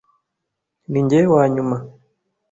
Ninjye wanyuma.